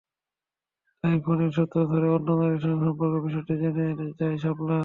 সেই ফোনের সূত্র ধরে অন্য নারীর সঙ্গে সম্পর্কের বিষয়টি জেনে যায় শাপলা।